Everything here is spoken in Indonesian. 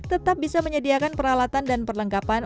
tetap bisa menyediakan peralatan dan perlengkapan